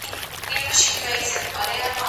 زه مخکي د کتابتون کتابونه لوستي وو؟